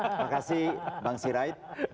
terima kasih bang sirait